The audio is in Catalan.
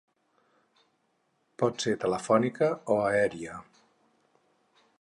Pot ser telefònica o aèria.